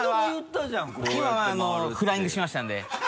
今はフライングしましたんで。